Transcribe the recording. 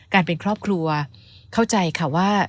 การเป็นครอบครัวเข้าใจค่ะว่า